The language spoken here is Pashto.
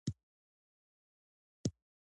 په داسې حال کې چې هغوی پوره کار کړی دی